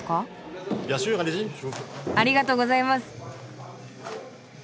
ありがとうございます。